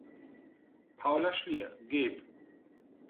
Paula Schlier, geb.